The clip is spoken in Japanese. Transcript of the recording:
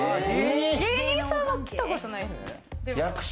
芸人さんは来たことないです。